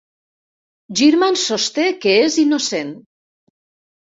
Girman sosté que és innocent.